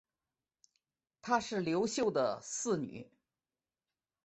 她是刘秀的四女。